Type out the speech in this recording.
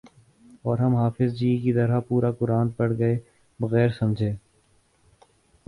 اور ہم حافظ جی کی طرح پورا قرآن پڑھ گئے بغیر سمجھے